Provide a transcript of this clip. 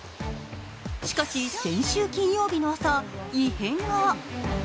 しかし、先週金曜日の朝、異変が。